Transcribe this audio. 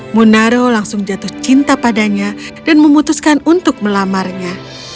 munaro langsung jatuh cinta padanya dan memutuskan untuk melamarnya